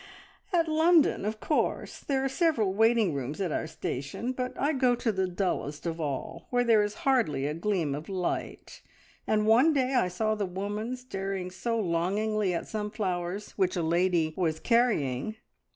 "At London, of course. There are several waiting rooms at our station, but I go to the dullest of all, where there is hardly a gleam of light, and one day I saw the woman staring so longingly at some flowers which a lady was carrying.